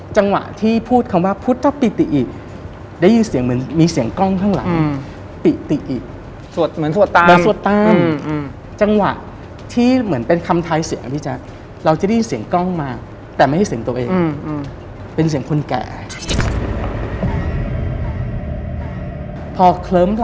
จังหวะที่พูดคำว่าพุทธปิติอิได้ยินเสียงเหมือนมีเสียงกล้องข้างหลังปิติอิ